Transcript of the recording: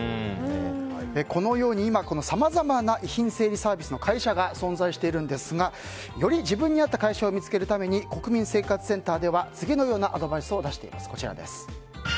このようにさまざまな遺品整理サービスの会社が存在していますがより自分に合った会社を見つけるために国民生活センターでは次のようなアドバイスを出しています。